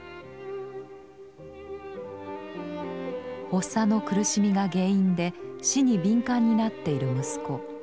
「発作の苦しみが原因で死に敏感になっている息子。